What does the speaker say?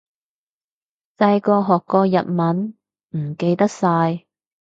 細個學過日文，唔記得晒